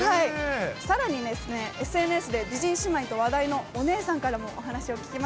さらにＳＮＳで美人姉妹と話題のお姉さんからもお話を聞きま